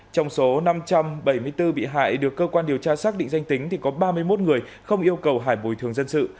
trong số năm trăm bảy mươi bốn bị hại được cơ quan điều tra xác định danh tính thì có ba mươi một người không yêu cầu hải bồi thường dân sự